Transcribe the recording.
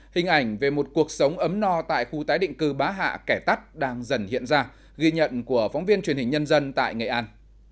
hình ảnh về một cuộc sống ấm no tại khu tái định cư bá hạ kẻ tắt đang dần hiện ra ghi nhận của phóng viên truyền hình nhân dân tại nghệ an